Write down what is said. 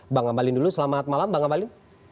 bang ambalin dulu selamat malam bang abalin